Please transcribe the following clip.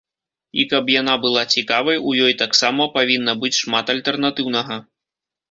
І, каб яна была цікавай, у ёй таксама павінна быць шмат альтэрнатыўнага.